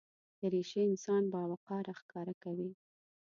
دریشي انسان باوقاره ښکاره کوي.